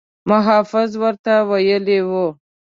محافظ ورته ویلي وو.